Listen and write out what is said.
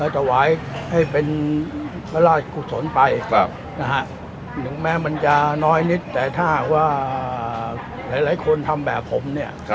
แต่ถ้าเมื่อมันจะน้อยนิดแต่ถ้าว่าหลายคนทำแบบผมเนี่ย